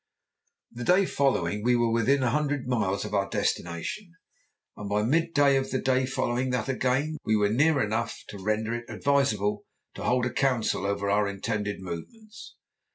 The day following we were within a hundred miles of our destination, and by mid day of the day following that again were near enough to render it advisable to hold a council over our intended movements.